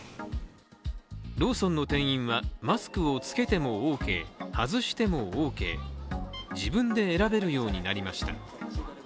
ローソンの店員はマスクを着けてもＯＫ外してもＯＫ、自分で選べるようになりました。